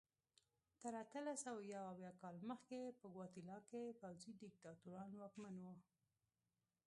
تر اتلس سوه یو اویا کال مخکې په ګواتیلا کې پوځي دیکتاتوران واکمن وو.